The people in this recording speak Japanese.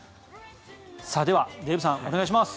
ではデーブさん、お願いします。